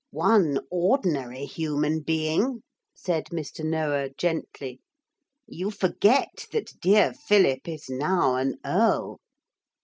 'One ordinary human being,' said Mr. Noah gently; 'you forget that dear Philip is now an earl.'